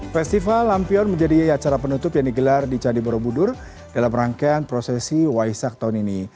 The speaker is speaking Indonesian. festival lampion menjadi acara penutup yang digelar di candi borobudur dalam rangkaian prosesi waisak tahun ini